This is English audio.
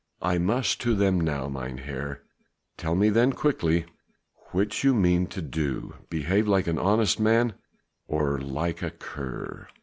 I must to them now, mynheer. Tell me then quickly which you mean to do; behave like an honest man or like a cur?"